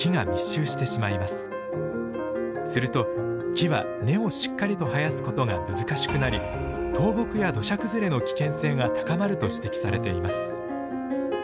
すると木は根をしっかりと生やすことが難しくなり倒木や土砂崩れの危険性が高まると指摘されています。